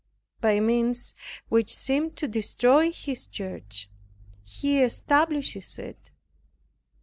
By means which seem to destroy His Church, He establishes it.